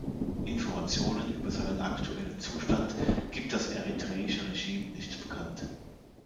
Informationen über seinen aktuellen Zustand gibt das eritreische Regime nicht bekannt.